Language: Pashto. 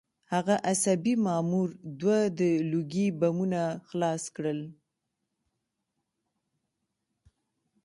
هغه عصبي مامور دوه د لوګي بمونه خلاص کړل